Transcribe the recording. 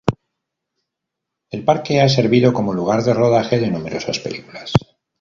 El parque ha servido como lugar de rodaje de numerosas películas.